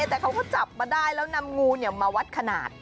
แต่เขาก็จับมาได้แล้วนำงูมาวัดขนาด